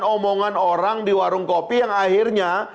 omongan orang di warung kopi yang akhirnya